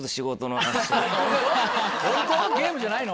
ゲームじゃないの？